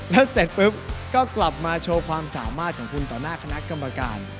แล้วเสร็จปุ๊บก็กลับมาโชว์ความสามารถของคุณต่อหน้าคณะกรรมการ